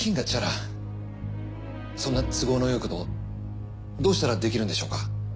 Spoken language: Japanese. そんな都合のよいことどうしたらできるんでしょうか？